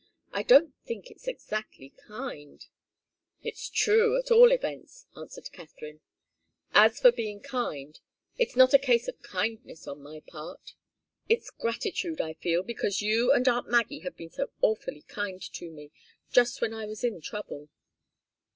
"I don't think it's exactly kind." "It's true, at all events," answered Katharine. "As for being kind it's not a case of kindness on my part. It's gratitude I feel, because you and aunt Maggie have been so awfully kind to me, just when I was in trouble."